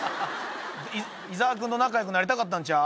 伊沢君と仲良くなりたかったんちゃう？